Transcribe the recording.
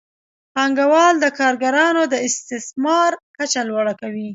پانګوال د کارګرانو د استثمار کچه لوړه کوي